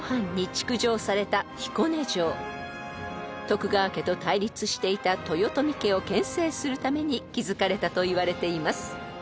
［徳川家と対立していた豊臣家をけん制するために築かれたといわれています］